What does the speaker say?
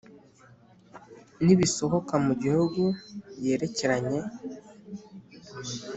N ibisohoka mu gihugu yerekeranye